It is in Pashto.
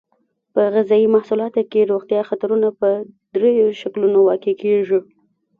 په غذایي محصولاتو کې روغتیایي خطرونه په دریو شکلونو واقع کیږي.